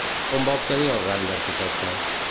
On va obtenir el rang d'arquitecte?